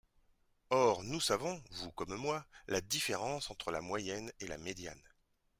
Or nous savons, vous comme moi, la différence entre la moyenne et la médiane.